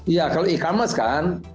iya kalau e commerce kan